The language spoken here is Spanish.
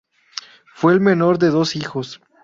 Fue el menor de dos hijos.